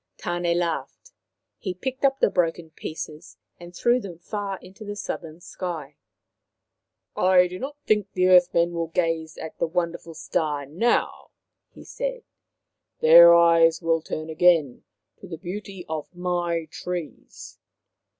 Tane laughed. He picked up the broken pieces and threw them far into the southern sky. " I do not think the earth men will gaze at the won derful star now," he said. " Their eyes will turn again to the beauty of my trees."